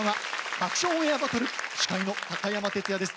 「爆笑オンエアバトル」司会の高山哲哉です。